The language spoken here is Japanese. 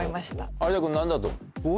有田君何だと思う？